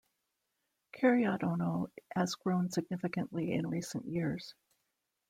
Kiryat Ono has grown significantly in recent years.